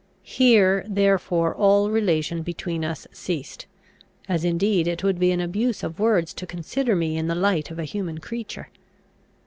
Here therefore all relation between us ceased; as indeed it would be an abuse of words to consider me in the light of a human creature.